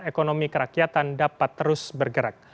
dan ekonomi kerakyatan dapat terus bergerak